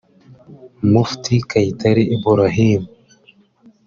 Mufti Kayitare Ibrahim